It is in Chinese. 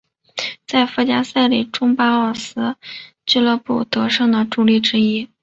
在附加赛中巴里奥斯俱乐部得胜的助力之一。